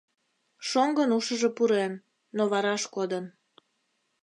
Шоҥгын ушыжо пурен, но вараш кодын.